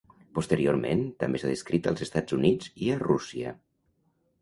Posteriorment també s'ha descrit als Estats Units i a Rússia.